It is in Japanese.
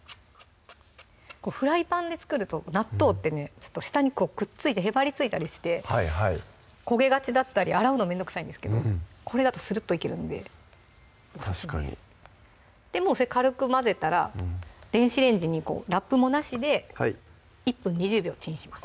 フライパンで作ると納豆ってねちょっと下にくっついてへばりついたりして焦げがちだったり洗うのめんどくさいんですけどこれだとスルッといけるんで確かにもう軽く混ぜたら電子レンジにこうラップもなしで１分２０秒チンします